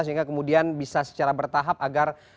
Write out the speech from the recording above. sehingga kemudian bisa secara bertahap agar